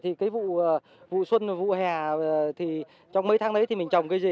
thế thì cái vụ xuân vụ hè thì trong mấy tháng đấy thì mình trồng cái gì